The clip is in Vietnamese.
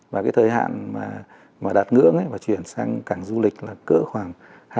và cái thời hạn mà đạt ngưỡng và chuyển sang cảng du lịch là cỡ khoảng hai nghìn hai mươi hai nghìn hai mươi một